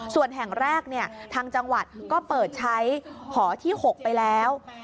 ส่วนแห่งแรกทางจังหวัดก็เปิดใช้หอที่๖ไปแล้ว